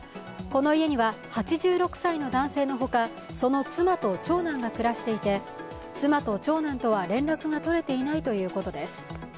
この家には８６歳の男性のほかその妻と長男が暮らしていた、妻と長男とは連絡が取れていないということです。